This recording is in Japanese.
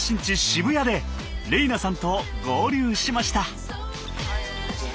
渋谷で玲那さんと合流しました。